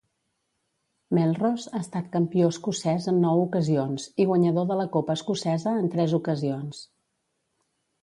Melrose ha estat campió escocès en nou ocasions i guanyador de la copa escocesa en tres ocasions.